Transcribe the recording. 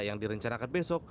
yang direncanakan besok